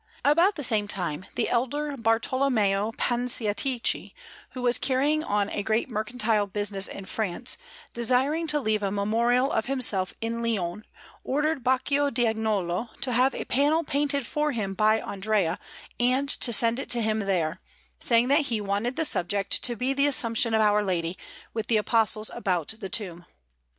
About the same time the elder Bartolommeo Panciatichi, who was carrying on a great mercantile business in France, desiring to leave a memorial of himself in Lyons, ordered Baccio d' Agnolo to have a panel painted for him by Andrea, and to send it to him there; saying that he wanted the subject to be the Assumption of Our Lady, with the Apostles about the tomb.